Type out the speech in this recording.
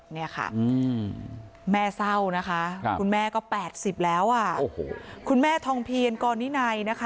เนี่ยค่ะแม่เศร้านะคะคุณแม่ก็๘๐แล้วคุณแม่ทองเพียรกรนินัยนะคะ